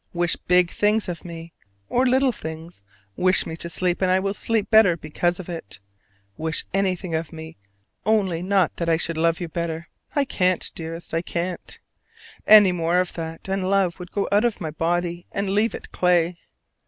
Wish big things of me, or little things: wish me to sleep, and I will sleep better because of it. Wish anything of me: only not that I should love you better. I can't, dearest, I can't. Any more of that, and love would go out of my body and leave it clay.